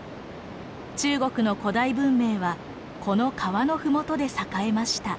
中国の古代文明はこの河のふもとで栄えました。